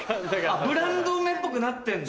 ブランド名っぽくなってんだ